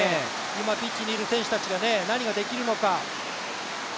今、ピッチにいる選手たちが何ができるのか。